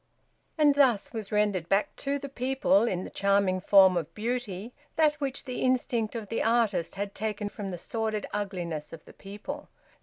And thus was rendered back to the people in the charming form of beauty that which the instinct of the artist had taken from the sordid ugliness of the people.